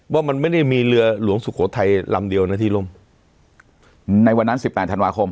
ว่ามันไม่ได้มีเรือหลวงสุโขทัยลำเดียวนะที่ล่มในวันนั้นสิบแปดธันวาคม